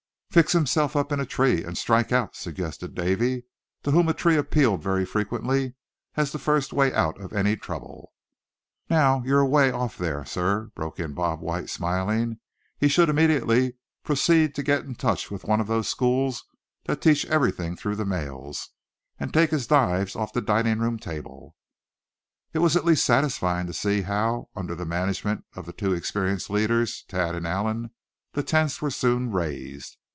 "Fix himself up in a tree, and strike out!" suggested Davy, to whom a tree appealed very frequently as the first way out of any trouble. "Now, you're away off there, suh," broke in Bob White, smiling; "he should immediately proceed to get in touch with one of those schools that teach everything through the mails; and take his dives off the dining room table." It was at least satisfying to see how, under the management of the two experienced leaders, Thad and Allan, the tents were soon raised.